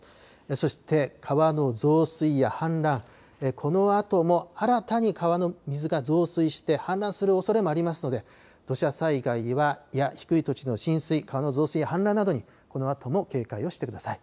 そして川の増水や氾濫、このあとも新たに川の水が増水して、氾濫するおそれもありますので、土砂災害や低い土地の浸水、川の増水や氾濫などにこのあとも警戒をしてください。